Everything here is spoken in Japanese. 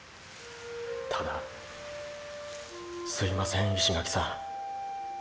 ただーーすいません石垣さん。